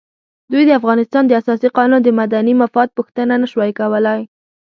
دوی د افغانستان د اساسي قانون د مدني مفاد پوښتنه نه شوای کولای.